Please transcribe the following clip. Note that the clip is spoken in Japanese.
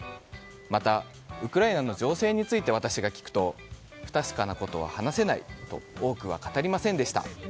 また、ウクライナ情勢について私が聞くと不確かなことは話せないと多くは語りませんでした。